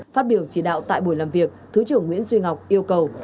phát biểu chỉ đạo tại buổi làm việc thứ trưởng nguyễn duy ngọc yêu cầu